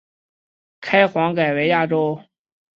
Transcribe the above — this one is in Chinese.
开皇改为万州。